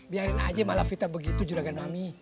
biarin aja malafita begitu juragan mami